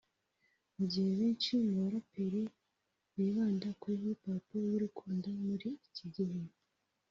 Mu gihe benshi mu baraperi bibanda kuri Hip Hop y’urukundo muri iki gihe